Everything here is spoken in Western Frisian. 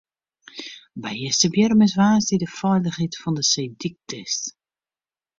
By Easterbierrum is woansdei de feilichheid fan de seedyk test.